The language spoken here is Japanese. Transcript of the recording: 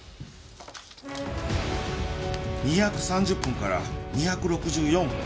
２３０分から２６４分。